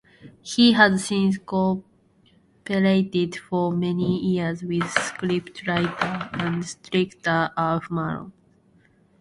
He has since cooperated for many years with scriptwriter and director Ulf Malmros.